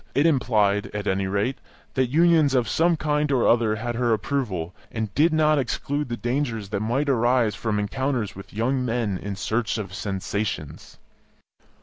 It implied, at any rate, that unions of some kind or other had her approval, and did not exclude the dangers that might arise from encounters with young men in search of sensations.